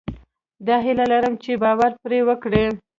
دا هيله لرئ چې باور پرې وکړئ.